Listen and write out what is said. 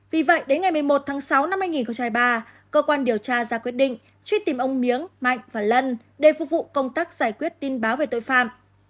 vì vậy đến ngày một mươi một tháng sáu năm hai nghìn hai mươi ba cơ quan điều tra ra quyết định truy tìm ông miếng mạnh và lân để phục vụ công tác giải quyết tin báo về tội phạm